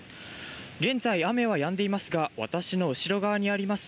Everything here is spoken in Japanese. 現在、雨はやんでいますが私の後ろ側にあります